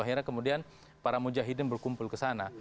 akhirnya kemudian para mujahidin berkumpul ke sana